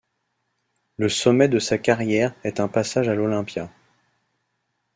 Le sommet de sa carrière est un passage à l'Olympia.